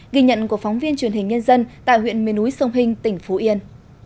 ghi nhận của phóng viên truyền hình nhân dân tại huyện mê núi sông hình tỉnh phú yên